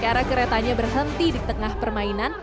karena keretanya berhenti di tengah permainan